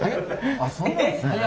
あっそうなんすね。